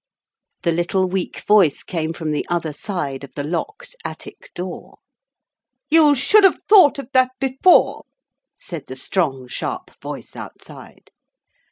The little weak voice came from the other side of the locked attic door. 'You should have thought of that before,' said the strong, sharp voice outside.